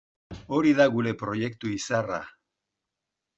Hori da gure proiektu izarra.